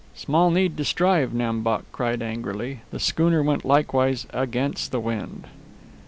"Small need to strive," Nam Bok cried angrily. "The schooner went likewise against the wind."